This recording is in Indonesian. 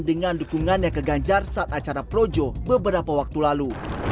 dengan dukungannya ke ganjar saat acara projo beberapa waktu lalu